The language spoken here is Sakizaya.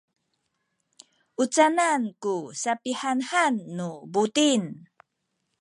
u canan ku sapihanhan nu buting?